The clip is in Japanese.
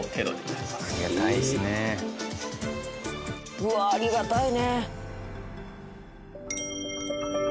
うわあありがたいね。